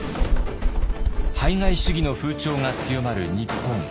排外主義の風潮が強まる日本。